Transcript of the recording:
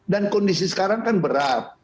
dan kondisi sekarang kan berat